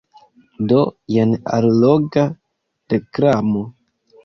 Do jen alloga reklamo.